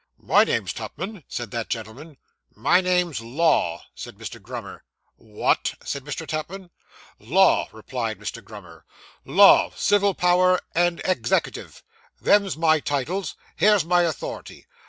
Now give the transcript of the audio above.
'My name's Tupman,' said that gentleman. 'My name's Law,' said Mr. Grummer. 'What?' said Mr. Tupman. 'Law,' replied Mr. Grummer 'Law, civil power, and exekative; them's my titles; here's my authority.